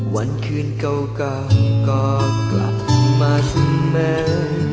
วันคืนเก่าก็กลับมาทุกเมื่อ